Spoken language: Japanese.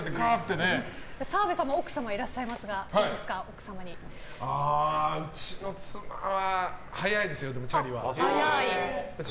澤部さんも奥さんいらっしゃいますがうちの妻は速いですよ、チャリは。